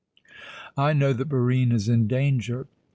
I know that Barine is in danger.